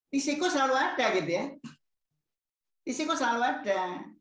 risiko selalu ada gitu ya risiko selalu ada